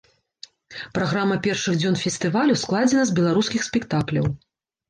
Праграма першых дзён фестывалю складзена з беларускіх спектакляў.